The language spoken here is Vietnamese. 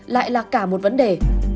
lại là cả một vấn đề